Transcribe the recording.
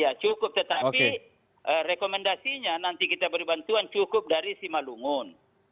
ya cukup tetapi rekomendasinya nanti kita beri bantuan cukup dari simalungun